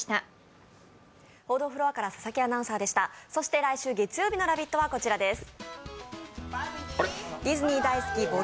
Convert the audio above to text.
そして来週月曜日の「ラヴィット！」はこちらです。